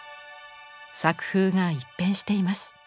作風が一変しています。